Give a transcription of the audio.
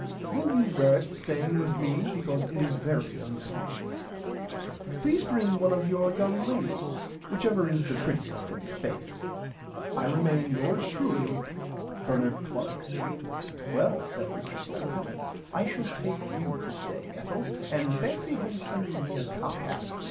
Will you wear it staying with me because it is very uncommon. Please bring one of your young ladies whichever is the prettiest in the face. I remain Yours truely Bernard Clark. [Pg 25] Well said Mr Salteena I shall take you to stay Ethel and fancy him sending me a top hat.